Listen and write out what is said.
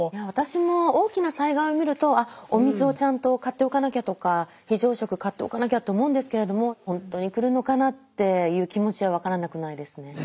私も大きな災害を見るとお水をちゃんと買っておかなきゃとか非常食買っておかなきゃって思うんですけれどもっていう気持ちは分からなくないですね。